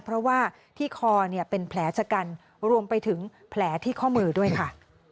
เพราะว่าที่คอเนี่ยเป็นแผลชะกันรวมไปถึงแผลที่ข้อมือด้วยค่ะ